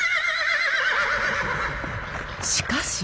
しかし。